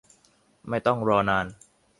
ไม่ต้องรอนาน